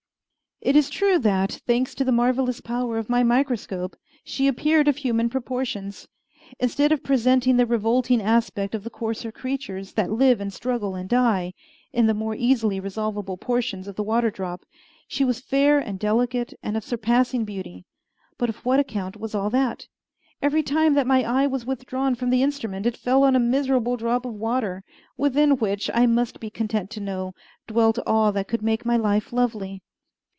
It is true that, thanks to the marvelous power of my microscope, she appeared of human proportions. Instead of presenting the revolting aspect of the coarser creatures, that live and struggle and die, in the more easily resolvable portions of the water drop, she was fair and delicate and of surpassing beauty. But of what account was all that? Every time that my eye was withdrawn from the instrument it fell on a miserable drop of water, within which, I must be content to know, dwelt all that could make my life lovely.